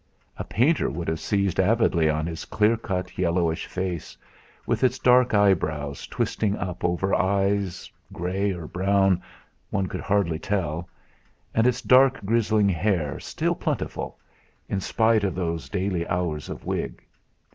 A painter would have seized avidly on his clear cut, yellowish face, with its black eyebrows twisting up over eyes grey or brown, one could hardly tell, and its dark grizzling hair still plentiful, in spite of those daily hours of wig.